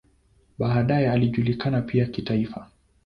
Baadaye alijulikana pia kitaifa.